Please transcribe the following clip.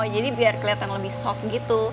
jadi biar keliatan lebih soft gitu